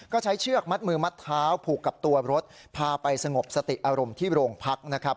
ก็ใช้เชือกมัดมือมัดเท้าผูกกับตัวรถพาไปสงบสติอารมณ์ที่โรงพักนะครับ